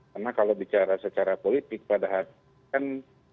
karena kalau bicara secara politik pada hati kan